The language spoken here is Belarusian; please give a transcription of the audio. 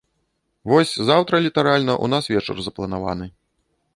Вось, заўтра літаральна ў нас вечар запланаваны.